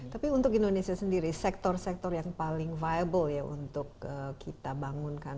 tapi untuk indonesia sendiri sektor sektor yang paling viable ya untuk kita bangunkan